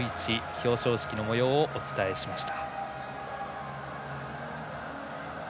表彰式のもようをお伝えしました。